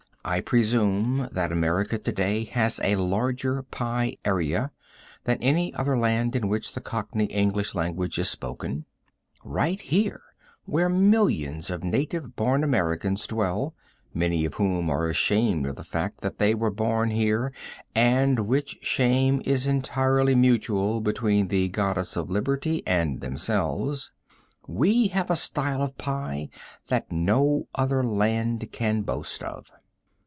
I presume that America to day has a larger pie area than any other land in which the Cockney English language is spoken. Right here where millions of native born Americans dwell, many of whom are ashamed of the fact that they were born here and which shame is entirely mutual between the Goddess of Liberty and themselves, we have a style of pie that no other land can boast of.